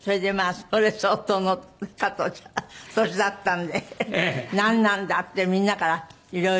それでまあそれ相当の加トちゃん年だったんでなんなんだってみんなからいろいろ。